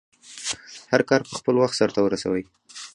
هرکار په خپل وخټ سرته ورسوی